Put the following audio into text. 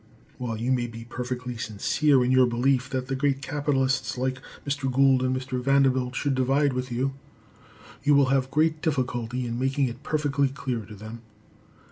While you may be perfectly sincere in your belief that the great capitalists like Mr. Gould and Mr. Vanderbilt should divide with you, you will have great difficulty in making it perfectly clear to them.